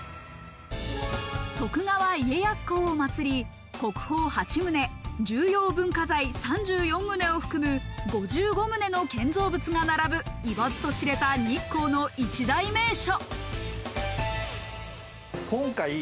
徳川家康公をまつり、国宝８棟、重要文化財３４棟を含む５５棟の建造物が並ぶ言わずと知れた日光の一大名所。